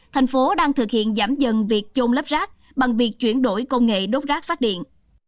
thành phố đang thực hiện giảm dần việc chôn lấp rác bằng việc chuyển đổi công nghệ đốt rác phát điện